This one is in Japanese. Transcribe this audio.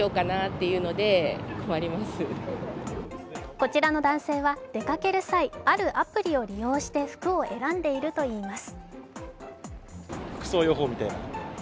こちらの男性は出かける際、あるアプリを利用して服を選んでいるといいます。